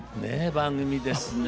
番組ですね。